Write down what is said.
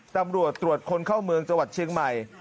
ตำรวจตรวจคนเข้าเมืองจังหวัดเชียงใหม่